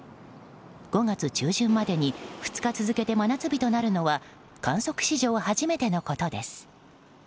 ５月中旬までに２日続けて真夏日となるのは観測史上初めてのことです。